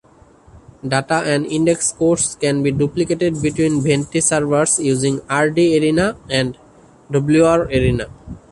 Data and index scores can be duplicated between Venti servers using 'rdarena' and 'wrarena'.